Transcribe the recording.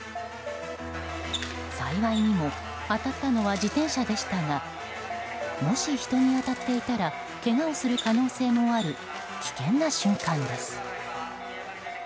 幸いにも当たったのは自転車でしたがもし、人に当たっていたらけがをする可能性もある危険な瞬間です。